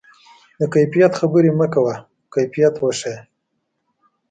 د کیفیت خبرې مه کوه، کیفیت وښیه.